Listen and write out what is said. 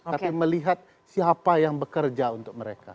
tapi melihat siapa yang bekerja untuk mereka